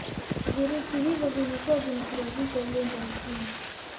virusi hivyo vilikuwa vinasababisa ugonjwa wa ukimwi